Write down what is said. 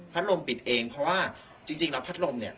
ลมปิดเองเพราะว่าจริงแล้วพัดลมเนี่ย